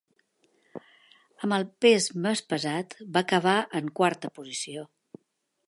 Amb el pes més pesat, va acabar en quarta posició.